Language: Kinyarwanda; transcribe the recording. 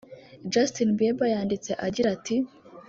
Justin Bieber yanditse agira ati